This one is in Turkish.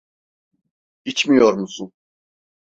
İçmiyor musun?